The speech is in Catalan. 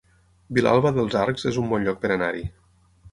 Vilalba dels Arcs es un bon lloc per anar-hi